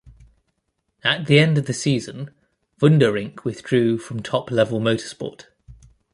At the end of the season, Wunderink withdrew from top-level motorsport.